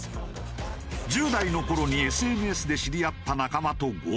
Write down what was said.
１０代の頃にＳＮＳで知り合った仲間と強盗。